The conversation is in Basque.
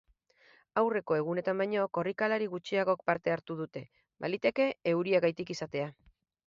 Aurreko egunetan baino korrikalari gutxiagok parte hartu dute, baliteke euriagatik izatea.